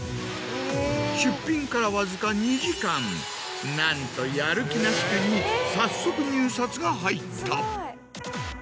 出品からわずか２時間なんと「やる気なしくん」に早速入札が入った。